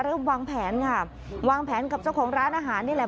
วางแผนค่ะวางแผนกับเจ้าของร้านอาหารนี่แหละ